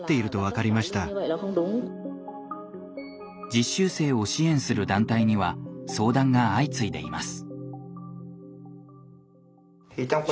実習生を支援する団体には相談が相次いでいます。